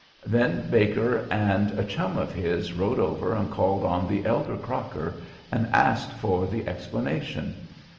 Then Baker and a chum of his rode over and called on the elder Crocker, and asked for the explanation.